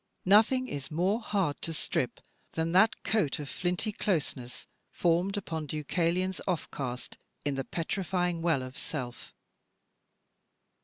Nothing is more hard to strip than that coat of flinty closeness formed upon Deucalion's offcast in the petrifying well of self.